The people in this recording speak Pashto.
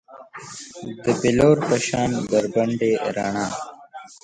د بیلور په شان بربنډې رڼا